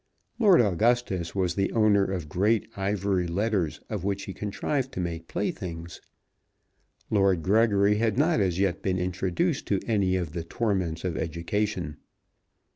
Lord Augustus was the owner of great ivory letters of which he contrived to make playthings. Lord Gregory had not as yet been introduced to any of the torments of education.